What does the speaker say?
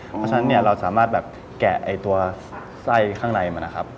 เพราะฉะนั้นเนี่ยเราสามารถแบบแกะตัวไส้ข้างในมานะครับ